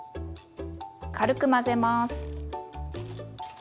軽く混ぜます。